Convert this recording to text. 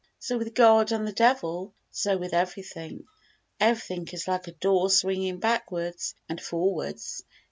So with God and the devil; so with everything. Everything is like a door swinging backwards and forwards.